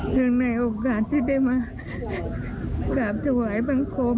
ในโอกาสที่ได้มากราบถวายบังคม